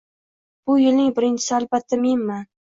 Bu yilning birinchisi albatta menman.